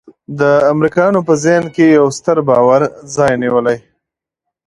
د امریکایانو په ذهن کې یو ستر باور ځای نیولی.